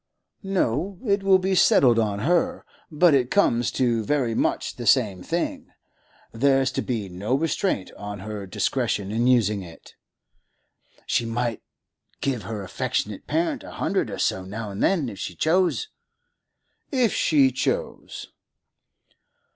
'No; it will be settled on her. But it comes to very much the same thing; there's to be no restraint on her discretion in using it.' 'She might give her affectionate parent a hundred or so now and then, if she chose?' 'If she chose.